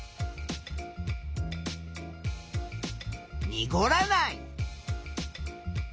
にごらない。